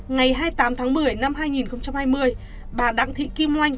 ngày hai mươi tám tháng một mươi năm hai nghìn hai mươi bà đặng thị kim oanh